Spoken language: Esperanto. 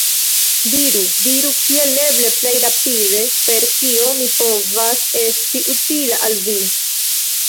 Diru, diru kiel eble plej rapide, per kio mi povas esti utila al vi!